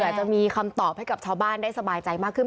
อาจจะมีคำตอบให้กับชาวบ้านได้สบายใจมากขึ้น